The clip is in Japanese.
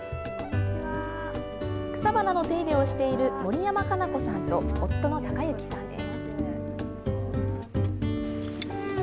草花の手入れをしている森山加南子さんと、夫の剛志さんです。